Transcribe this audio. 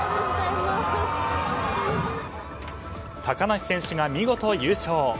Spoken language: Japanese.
高梨選手が見事優勝！